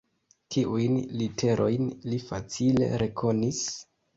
Kiujn literojn li facile rekonis?